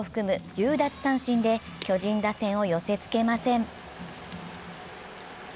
１０奪三振で巨人打線を寄せつけません。